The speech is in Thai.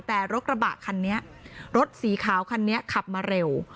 แต่รถกระบะคันนี้รถสีขาวคันนี้ขับมาเร็ว